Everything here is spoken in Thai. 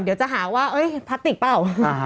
เดี๋ยวจะหาว่าพลาสติกเปล่า